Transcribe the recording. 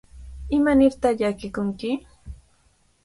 ¿Imanirtaq llakikunki?